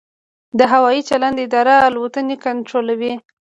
د هوايي چلند اداره الوتنې کنټرولوي